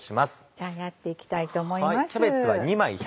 じゃあやっていきたいと思います。